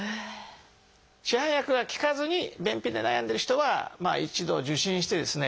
市販薬が効かずに便秘で悩んでる人はまあ一度受診してですね